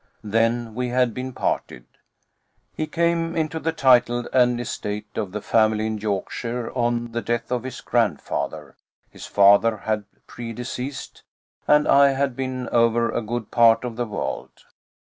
Then we had been parted. He came into the title and estates of the family in Yorkshire on the death of his grandfather his father had predeceased and I had been over a good part of the world.